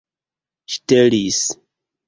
ŝtelis